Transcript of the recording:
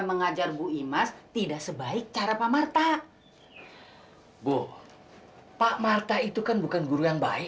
mengajar bu imas tidak sebaik cara pak marta bu pak marta itu kan bukan guru yang baik